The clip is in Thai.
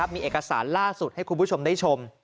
มีเอกสารล่าสุดให้คุณผู้ชมได้ชม